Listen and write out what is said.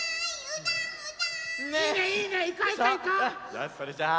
よしそれじゃあ。